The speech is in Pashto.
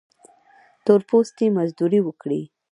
تور پوستي مزدوري وکړي.